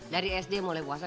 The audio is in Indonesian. dari sd mulai puasa